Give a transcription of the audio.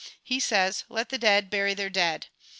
He says "Let the dead bury their dead."